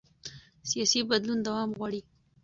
سیاسي بدلون دوام غواړي